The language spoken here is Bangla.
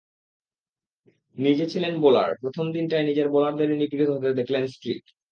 নিজে ছিলেন বোলার, প্রথম দিনটায় নিজের বোলারদেরই নিপীড়িত হতে দেখলেন স্ট্রিক।